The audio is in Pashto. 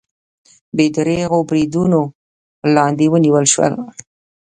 بې درېغو بریدونو لاندې ونیول شول